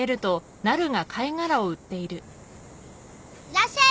らっしゃい！